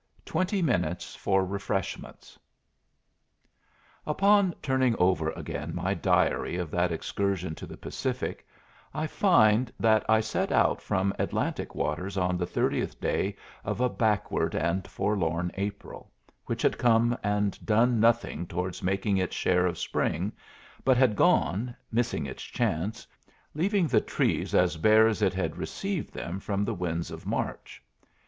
Twenty Minutes for Refreshments Upon turning over again my diary of that excursion to the Pacific, I find that I set out from Atlantic waters on the 30th day of a backward and forlorn April, which had come and done nothing towards making its share of spring, but had gone, missing its chance, leaving the trees as bare as it had received them from the winds of March.